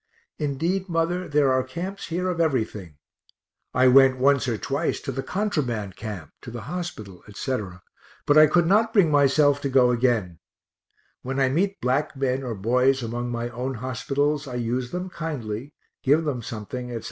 Indeed, mother, there are camps here of everything I went once or twice to the contraband camp, to the hospital, etc., but I could not bring myself to go again when I meet black men or boys among my own hospitals, I use them kindly, give them something, etc.